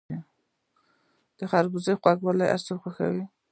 د خربوزو خوږوالی هر څوک خوښوي.